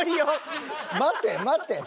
待て待て。